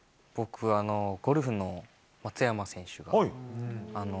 僕は、ゴルフの松山選手が。